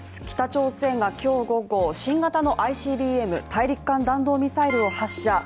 北朝鮮が今日午後新型のＩＣＢＭ＝大陸間弾道ミサイルを発射。